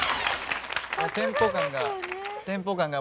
テンポ感が。